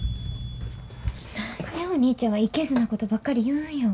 何でお兄ちゃんはいけずなことばっかり言うんよ。